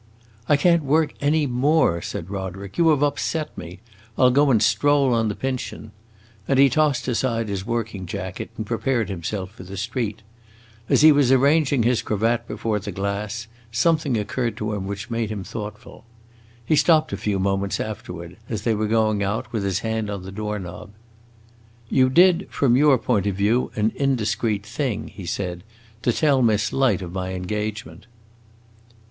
"I can't work any more," said Roderick. "You have upset me! I 'll go and stroll on the Pincian." And he tossed aside his working jacket and prepared himself for the street. As he was arranging his cravat before the glass, something occurred to him which made him thoughtful. He stopped a few moments afterward, as they were going out, with his hand on the door knob. "You did, from your own point of view, an indiscreet thing," he said, "to tell Miss Light of my engagement."